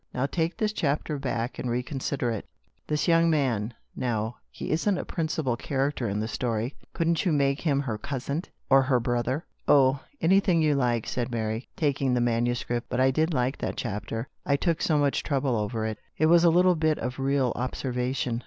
" Now take this chapter back and reconsider it. This young man, now — he isn't a principal character in the story — couldn't you make him her cousin — or her brother !" TWO ULTIMATUMS. 223 " Oh, anything you like," said Mary, taking the manuscript ;" but I did like that chapter. I took so much trouble over it. It was a little bit of real observation."